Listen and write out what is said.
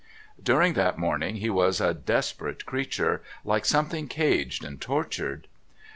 During that morning he was a desperate creature, like something caged and tortured.